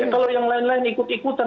kalau yang lain lain ikut ikutan